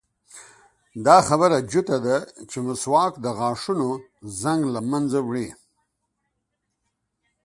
دا خبره جوته ده چې مسواک د غاښونو زنګ له منځه وړي.